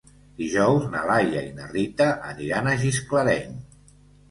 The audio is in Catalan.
Dijous na Laia i na Rita aniran a Gisclareny.